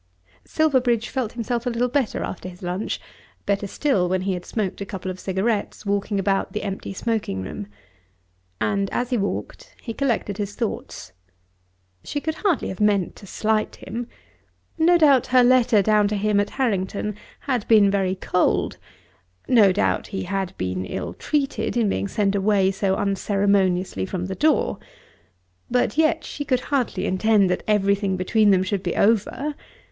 Silverbridge felt himself a little better after his lunch, better still when he had smoked a couple of cigarettes walking about the empty smoking room. And as he walked he collected his thoughts. She could hardly have meant to slight him. No doubt her letter down to him at Harrington had been very cold. No doubt he had been ill treated in being sent away so unceremoniously from the door. But yet she could hardly intend that everything between them should be over.